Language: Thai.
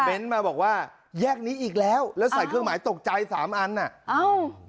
มาบอกว่าแยกนี้อีกแล้วแล้วใส่เครื่องหมายตกใจสามอันอ่ะเอ้า